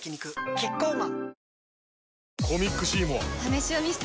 キッコーマン